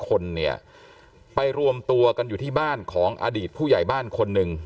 คนเนี่ยไปรวมตัวกันอยู่ที่บ้านของอดีตผู้ใหญ่บ้านคนหนึ่ง